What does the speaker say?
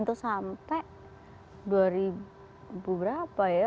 itu sampai dua ribu berapa ya